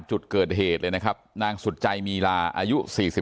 จุดเกิดเหตุเลยนะครับนางสุดใจมีลาอายุ๔๒